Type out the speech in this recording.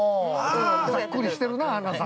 ◆ざっくりしてるな、アンナさん。